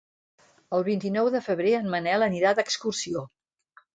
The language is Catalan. El vint-i-nou de febrer en Manel anirà d'excursió.